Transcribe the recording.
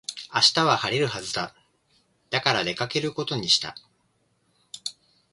明日は晴れるはずだ。だから出かけることにした。